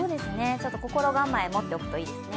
心構えを持っておくといいですね。